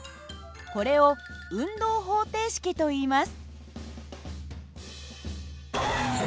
これを運動方程式といいます。